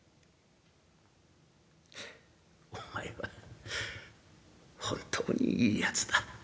「お前は本当にいいやつだ。